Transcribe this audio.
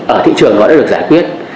ở thị trường nó đã được giải quyết